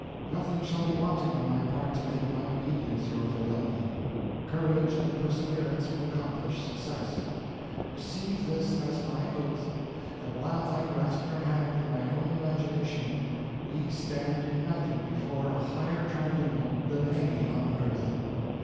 Nothing shall be wanting on my part to make my obedience your fidelity. Courage and perseverance will accomplish success. Receive this as my oath, that while I grasp your hand in my own imagination, we stand united before a higher tribunal than any on earth.